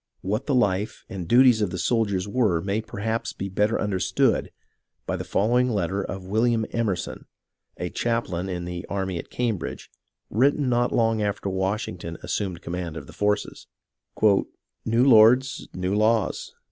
What the life and duties of the soldiers were may per haps be better understood by the following letter of William Emerson, a chaplain in the army at Cambridge, written not long after Washington assumed command of the forces :—" New lords, new laws.